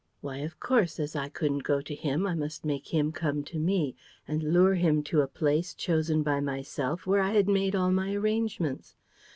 Why, of course, as I couldn't go to him, I must make him come to me and lure him to a place, chosen by myself, where I had made all my arrangements.